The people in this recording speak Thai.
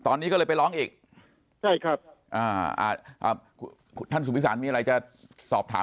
ตอนนี้ก็เลยไปร้องอีกใช่ครับอ่าท่านสุพิสารมีอะไรจะสอบถาม